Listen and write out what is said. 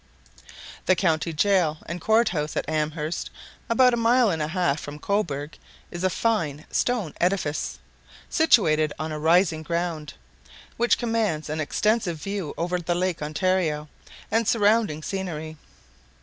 The county gaol and court house at Amherst, about a mile and a half from Cobourg, is a fine stone edifice, situated on a rising ground, which commands an extensive view over the lake Ontario and surrounding scenery.